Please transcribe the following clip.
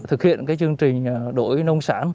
thực hiện chương trình đổi nông sản